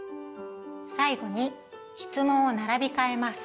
最後に質問を並びかえます。